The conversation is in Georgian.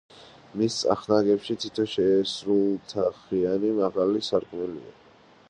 მის წახნაგებში თითო შეისრულთაღიანი მაღალი სარკმელია.